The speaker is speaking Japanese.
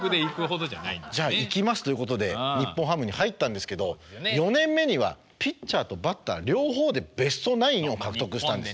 「じゃあ行きます」ということで日本ハムに入ったんですけど４年目にはピッチャーとバッター両方でベストナインを獲得したんです。